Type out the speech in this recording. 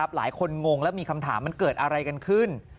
งงแล้วมีคำถามมันเกิดอะไรกันขึ้น